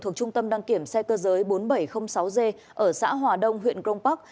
thuộc trung tâm đăng kiểm xe cơ giới bốn nghìn bảy trăm linh sáu g ở xã hòa đông huyện grong park